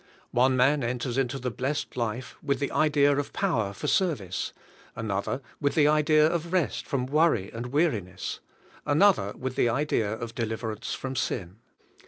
One man enters into the blessed life with the idea of power for service; another with the idea of rest from worry and weariness; another with the idea of de liverance from sin.